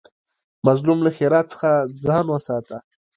مظلوم له ښېرا څخه ځان وساته